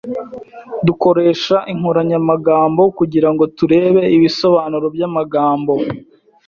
Dukoresha inkoranyamagambo kugirango turebe ibisobanuro byamagambo.